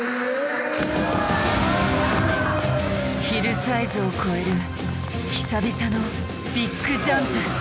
ヒルサイズを越える久々のビッグジャンプ！